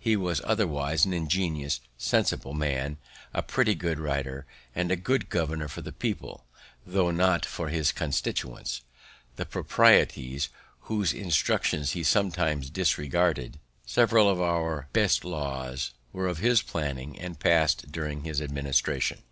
He was otherwise an ingenious, sensible man, a pretty good writer, and a good governor for the people, tho' not for his constituents, the proprietaries, whose instructions he sometimes disregarded. Several of our best laws were of his planning and passed during his administration.